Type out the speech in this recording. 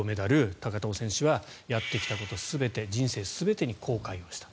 高藤選手はやってきたこと全て人生全てに後悔をした。